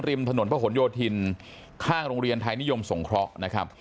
ริมถนนพระหลโยธินข้างโรงเรียนไทยนิยมสงเคราะห์นะครับ